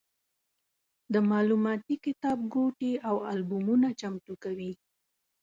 د معلوماتي کتابګوټي او البومونه چمتو کوي.